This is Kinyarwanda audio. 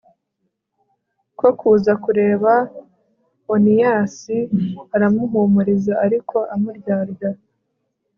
ko kuza kureba oniyasi, aramuhumuriza ariko amuryarya